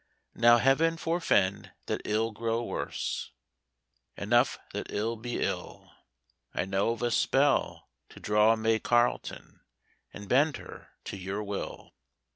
'Now Heaven forefend that ill grow worse: Enough that ill be ill. I know of a spell to draw May Carleton, And bend her to your will.'